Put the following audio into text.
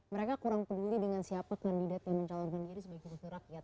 mereka kurang peduli dengan siapa kandidat yang mencalonkan diri sebagai wakil rakyat